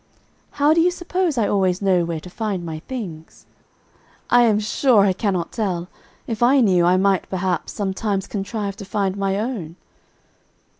"How do you suppose I always know where to find my things?" "I am sure I cannot tell. If I knew, I might, perhaps, sometimes contrive to find my own."